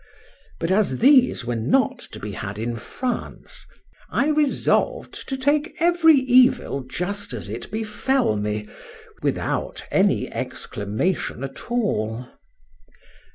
—But as these were not to be had in France, I resolved to take every evil just as it befell me, without any exclamation at all.